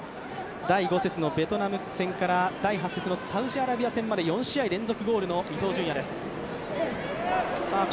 第５節のベトナム戦から第８節のサウジアラビア戦まで４試合連続ゴールの伊東純也です。